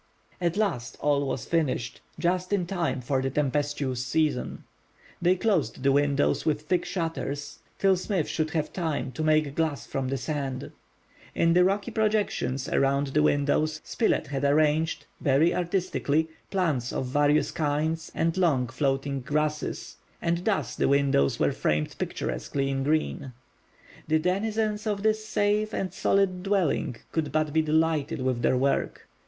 At last, all was finished, just in time for the tempestuous season. They closed the windows with thick shutters till Smith should have time to make glass from the sand. In the rocky projections around the windows Spilett had arranged, very artistically, plants of various kinds and long floating grasses, and thus the windows were framed picturesquely in green. The denizens of this safe and solid dwelling could but be delighted with their work.